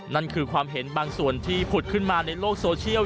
นั่นคือความเห็นบางส่วนที่ผุดขึ้นมาในโลกโซเชียล